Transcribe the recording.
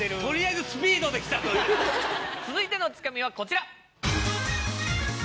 続いてのツカミはこちら！